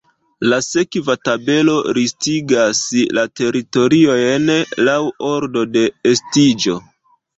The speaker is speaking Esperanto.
La sekva tabelo listigas la teritoriojn laŭ ordo de estiĝo.